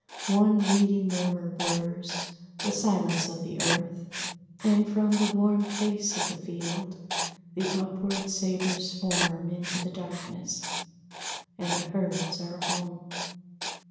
One reedy murmur blurs The silence of the earth; and from the warm Face of the field the upward savors swarm Into the darkness. And the herds are home.